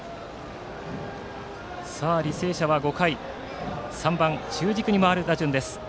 履正社は５回３番、中軸に回る打順です。